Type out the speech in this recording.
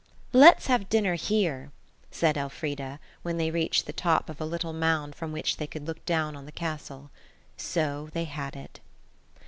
"Let's have dinner here," said Elfrida, when they reached the top of a little mound from which they could look down on the castle. So they had it.